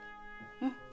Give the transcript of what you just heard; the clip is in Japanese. うん